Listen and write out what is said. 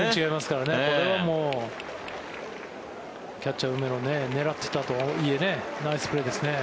これはキャッチャー、梅野狙ってたとはいえナイスプレーですね。